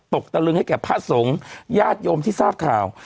ตะลึงให้แก่พระสงฆ์ญาติโยมที่ทราบข่าว